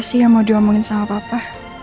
sih yang mau diomongin sama papa